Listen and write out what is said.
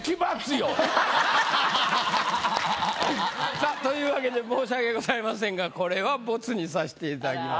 さあというわけで申し訳ございませんがこれはボツにさしていただきます。